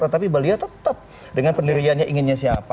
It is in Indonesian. tetapi beliau tetap dengan pendiriannya inginnya siapa